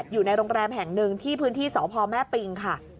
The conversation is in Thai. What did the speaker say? อยู่ในโรงแรมแห่งหนึ่งที่พื้นที่สพแม่ปิงค่ะ